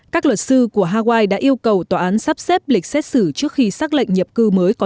các luật sư của hawaii đã yêu cầu tòa án sắp xếp lịch xét xử trước khi xác lệnh nhập cư mới có